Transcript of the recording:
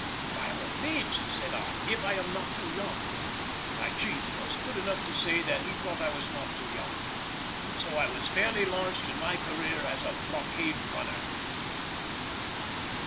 "By all means," said I, "if I am not too young." My chief was good enough to say that he thought I was not too young, and so I was fairly launched in my career as a blockade runner.